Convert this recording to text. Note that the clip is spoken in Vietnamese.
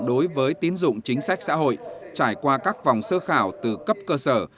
đối với tín dụng chính sách xã hội trải qua các vòng sơ khảo từ cấp cơ sở